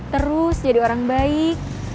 terus jadi orang baik